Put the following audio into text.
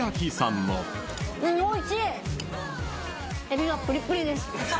エビがプリプリです。